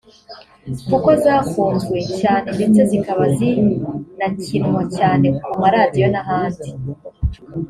kuko zakunzwe cyane ndetse zikaba zinakinwa cyane ku maradiyo n’ahandi